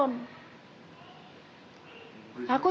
ini dua kali